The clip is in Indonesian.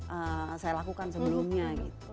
karena saya lakukan sebelumnya gitu